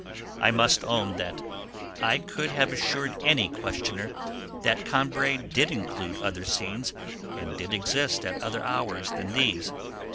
I must own that I could have assured any questioner that Combray did include other scenes and did exist at other hours than these.